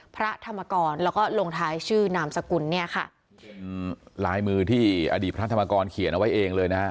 พระธรรมกรแล้วก็ลงท้ายชื่อนามสกุลเนี่ยค่ะเป็นลายมือที่อดีตพระธรรมกรเขียนเอาไว้เองเลยนะฮะ